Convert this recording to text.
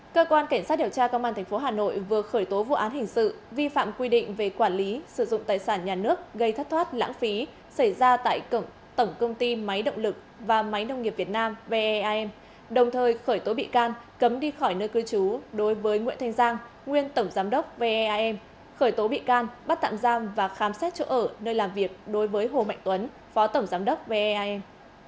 cơ quan cảnh sát điều tra công an thành phố hà nội vừa khởi tố vụ án hình sự vi phạm quy định về quản lý sử dụng tài sản nhà nước gây thất thoát lãng phí xảy ra tại cổng tổng công ty máy động lực và máy nông nghiệp việt nam veam đồng thời khởi tố bị can cấm đi khỏi nơi cư trú đối với nguyễn thanh giang nguyên tổng giám đốc veam khởi tố bị can bắt tạm giam và khám xét chỗ ở nơi làm việc đối với hồ mạnh tuấn phó tổng giám đốc veam